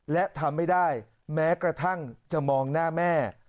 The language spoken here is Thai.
และทำไม่ได้แม้กระทั่งจะมองหน้าแม่